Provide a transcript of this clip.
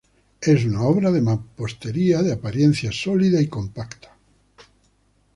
Es una obra de mampostería de apariencia sólida y compacta.